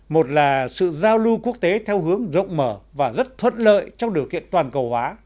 một là sự giao lưu quốc tế theo hướng rộng mở và rất thuận lợi trong điều kiện toàn cầu hóa